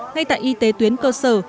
ngay tại y tế tuyến cơ sở